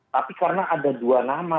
tapi karena ada dua nama